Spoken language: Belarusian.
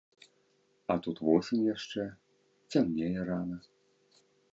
А тут восень яшчэ, цямнее рана.